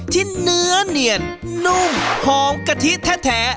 ที่เนื้อเนียนนุ่มหอมกะทิแท้